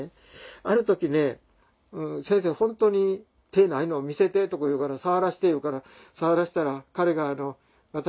ある時ね「先生本当に手ないの。見せて」とか言うから「触らして」言うから触らしたら彼が私の手をグーッと握ってね